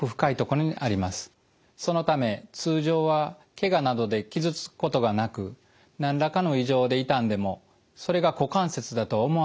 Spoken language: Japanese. そのため通常はけがなどで傷つくことがなく何らかの異常で痛んでもそれが股関節だとは思わないんです。